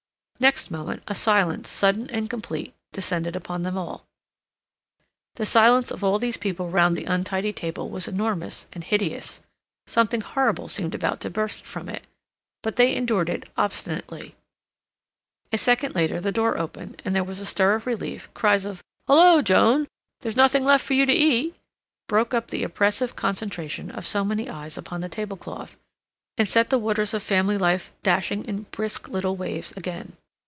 Next moment, a silence, sudden and complete, descended upon them all. The silence of all these people round the untidy table was enormous and hideous; something horrible seemed about to burst from it, but they endured it obstinately. A second later the door opened and there was a stir of relief; cries of "Hullo, Joan! There's nothing left for you to eat," broke up the oppressive concentration of so many eyes upon the table cloth, and set the waters of family life dashing in brisk little waves again.